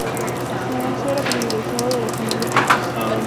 Su uso era privilegio de las familias ricas.